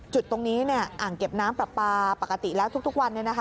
จุดตรงนี้อ่างเก็บน้ำปลาปลาปกติแล้วทุกวัน